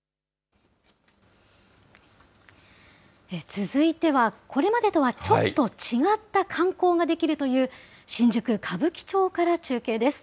続いてはこれまでとはちょっと違った観光ができるという、新宿・歌舞伎町から中継です。